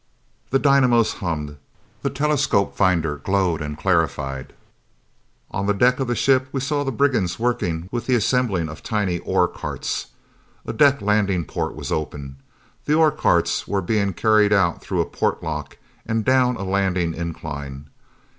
The dynamos hummed. The telescope finder glowed and clarified. On the deck of the ship we saw the brigands working with the assembling of tiny ore carts. A deck landing port was open. The ore carts were being carried out through a port lock and down a landing incline.